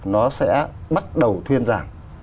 nó sẽ bắt đầu thuyên giảng